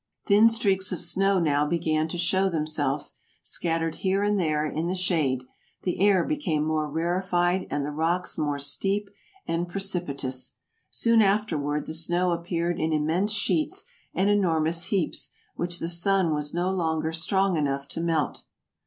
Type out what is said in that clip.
Thin streaks of snow now began to show themselves, scattered here and there, in the shade; the air became more rarefied and the rocks more steep and precipitous; soon after ward the snow appeared in immense sheets and enormous heaps which the sun was no longer strong enough to melt.